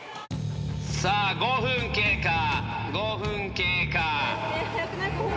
さあ５分経過５分経過。